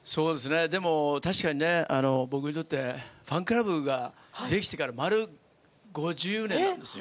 確かに僕にとってファンクラブができてから丸５０年なんですよ。